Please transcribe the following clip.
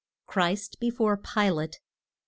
CHRIST BEFORE PILATE.